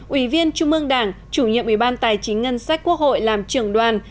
ủy viên trung ương đảng chủ nhiệm ủy ban tài chính ngân sách quốc hội làm trưởng đoàn